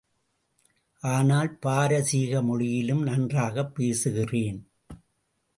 ஆனால், பாரசீக மொழியிலும் நன்றாகப் பேசுகிறேன்!